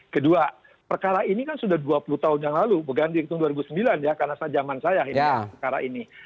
kedua perkara ini kan sudah dua puluh tahun yang lalu bukan dihitung dua ribu sembilan ya karena zaman saya ini perkara ini